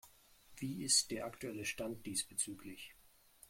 Wie ist der aktuelle Stand diesbezüglich?